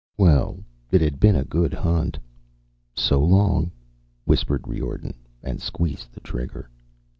Well, it had been a good hunt. "So long," whispered Riordan, and squeezed the trigger.